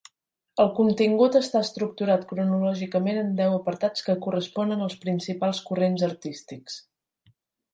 El contingut està estructurat cronològicament en deu apartats que corresponen als principals corrents artístics.